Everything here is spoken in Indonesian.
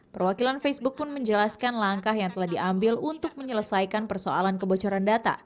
perwakilan facebook pun menjelaskan langkah yang telah diambil untuk menyelesaikan perjanjian